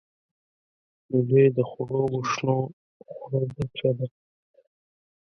بېنډۍ د خړوبو شنو خوړو برخه ده